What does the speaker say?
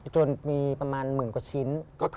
จนมีประมาณหมื่นกว่าชิ้น